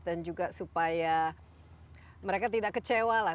dan juga supaya mereka tidak kecewa lah